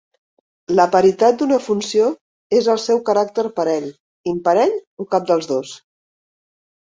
La paritat d'una funció és el seu caràcter parell, imparell, o cap dels dos.